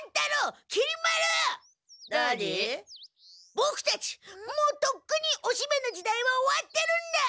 ボクたちもうとっくにおしめの時代は終わってるんだ！